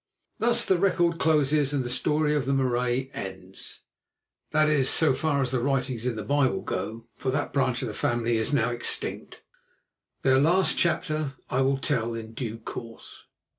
Thus the record closes and the story of the Marais ends—that is, so far as the writings in the Bible go, for that branch of the family is now extinct. Their last chapter I will tell in due course.